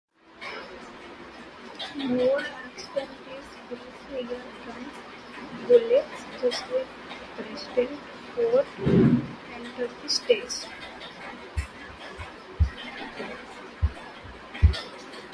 Moore accidentally spills her gun's bullets just as President Ford enters the stage.